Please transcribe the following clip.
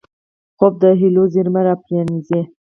خوب د هیلو زېرمې راپرانيزي